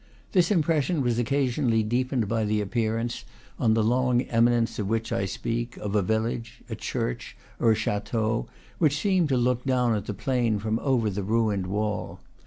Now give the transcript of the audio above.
This impression was occasionally deepened by the appearance, on the long eminence of which I speak, of a village, a church, or a chateau, which seemed to look down at the plain from over the ruined wall.